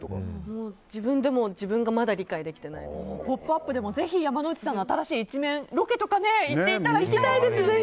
自分でも自分が「ポップＵＰ！」でもぜひ山之内さんの新しい一面ロケとかに行っていただきたい。